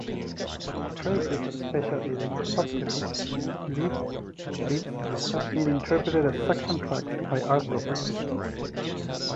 Traces on especially the "Glossopteris" leaves have been interpreted as suction tracks by arthropods.